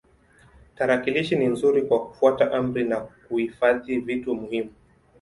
Tarakilishi ni nzuri kwa kufuata amri na kuhifadhi vitu muhimu.